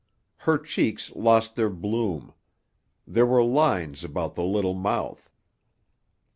Her cheeks lost their bloom; there were lines about the little mouth.